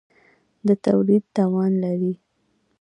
د تولید توان لري.